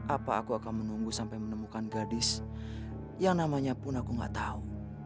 apa aku akan menunggu sampai menemukan gadis yang namanya pun aku gak tahu